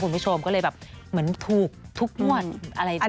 คุณผู้ชมก็เลยแบบเหมือนถูกทุกงวดอะไร